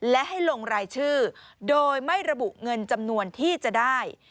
และให้ลงรายชื่อโดยไม่ระบุเงินจำนวนที่จะได้